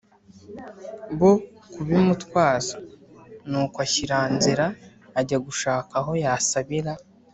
bo kubimutwaza. nuko ashyira nzira, ajya gushaka aho yasabira